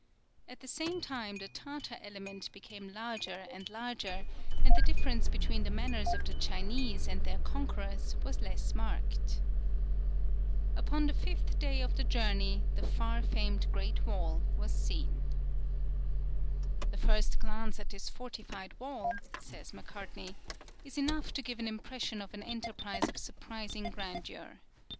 At the same time the Tartar element became larger and larger, and the difference between the manners of the Chinese and their conquerors was less marked. Upon the fifth day of the journey, the far famed Great Wall was seen. "The first glance at this fortified wall," says Macartney, "is enough to give an impression of an enterprise of surprising grandeur.